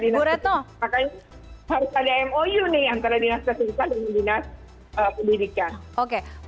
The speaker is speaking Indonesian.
makanya harus ada mou nih antara dinas kesehatan dengan dinas pendidikan